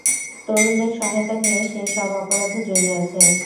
তরুণদের সহায়তা নিয়ে সে সব অপরাধে জড়িয়ে আছে।